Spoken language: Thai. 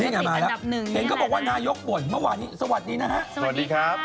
นี่ไงมาแล้วเห็นก็บอกว่านายกบ่นเมื่อวานนี้สวัสดีนะฮะสวัสดีครับ